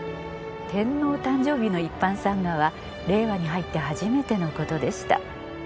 天皇誕生日の一般参賀は令和に入って初めてのことでした。